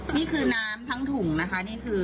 นี่คือน้ำทั้งถุงนะคะนี่คือ